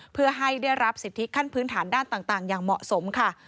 เพื่อให้ได้รับสิทธิขั้นพื้นฐานด้านต่างอย่างเหมาะสมค่ะ